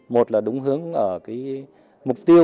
một là đúng hướng ở mục tiêu